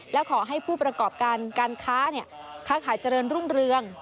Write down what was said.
และขอให้ผู้ประกอบการการค้าค้าขายเจริญรุ่งเรือง